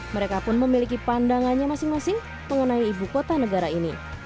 mereka pun memiliki pandangannya masing masing mengenai ibu kota negara ini